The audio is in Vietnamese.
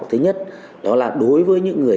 thứ nhất đó là đối với những người